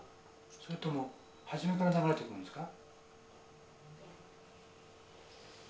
それとも初めから流れてくるんですか？